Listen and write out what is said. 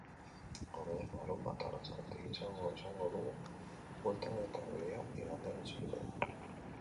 Hodeiak larunbat arratsaldetik izango izango dugu bueltan eta euria igandean itzuliko da.